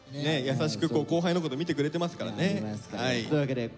優しく後輩のこと見てくれてますからね。というわけでＧｏ！